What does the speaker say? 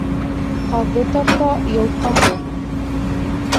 Ҡаҙҙы тарта-йолҡаһы